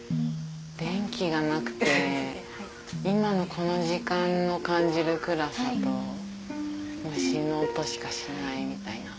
電気がなくて今のこの時間の感じる暗さと虫の音しかしないみたいな。